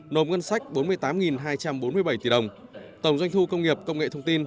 nộp ngân sách bốn mươi tám hai trăm bốn mươi bảy tỷ đồng tổng doanh thu công nghiệp công nghệ thông tin